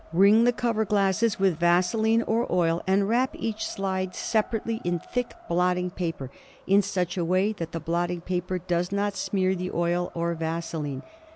Ring the cover glasses with vaseline or oil, and wrap each slide separately in thick blotting paper in such a way that the blotting paper does not smear the oil or vaseline.